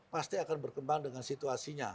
pasti akan berkembang dengan situasinya